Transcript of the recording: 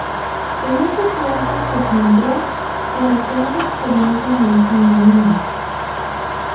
En ese tiempo se centró en obtener experiencia en el cine indie.